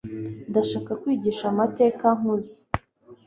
Ndashaka kwigisha amateka nkuze